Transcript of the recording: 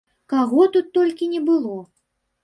Каго тут толькі не было!